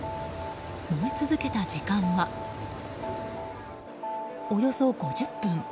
燃え続けた時間はおよそ５０分。